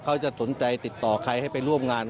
เขาจะสนใจติดต่อใครให้ไปร่วมงาน